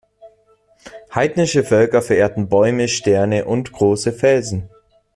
Heidnische Völker verehrten Bäume, Sterne und große Felsen.